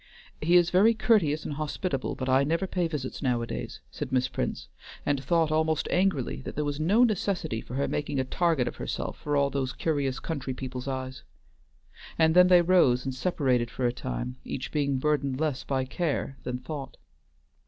"He is very courteous and hospitable, but I never pay visits nowadays," said Miss Prince, and thought almost angrily that there was no necessity for her making a target of herself for all those curious country people's eyes. And then they rose and separated for a time, each being burdened less by care than thought.